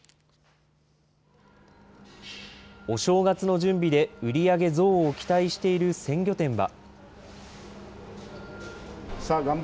お正月の準備で売り上げ増を期待している鮮魚店は。